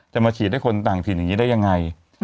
มาฉีดให้คนต่างถิ่นอย่างนี้ได้ยังไง